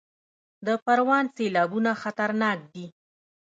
د پروان سیلابونه خطرناک دي